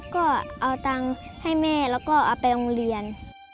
ก็เอาตังค์ให้แม่แล้วก็เอาไปโรงเรียน